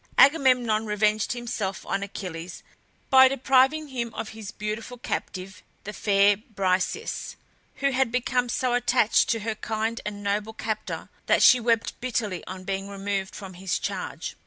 Agamemnon revenged himself on Achilles by depriving him of his beautiful captive, the fair Briseis, who had become so attached to her kind and noble captor that she wept bitterly on being removed from his charge.